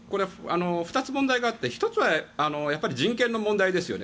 ２つ問題があって１つは人権の問題ですよね。